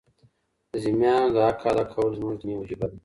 د ذمیانو د حق ادا کول زموږ دیني وجیبه ده.